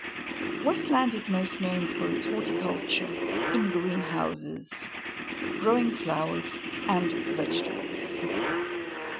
Westland is most known for its horticulture in greenhouses, growing flowers and vegetables.